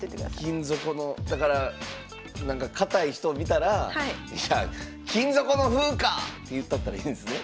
金底のだからかたい人を見たら「いや金底の歩か！」って言うたったらいいんですね？